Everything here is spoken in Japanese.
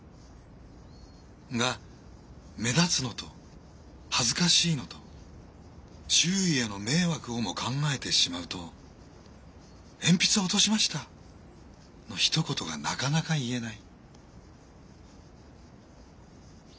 が目立つのと恥ずかしいのと周囲への迷惑をも考えてしまうと「鉛筆落としました」のひと言がなかなか言えない。